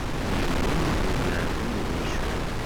Yiwen ur yeɛlim iwacu.